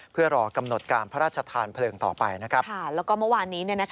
เพื่อรอกำหนดการพระราชทานเพลิงต่อไปแล้วก็เมื่อวานนี้